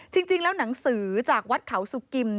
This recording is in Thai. จริงแล้วหนังสือจากวัดเขาสุกิม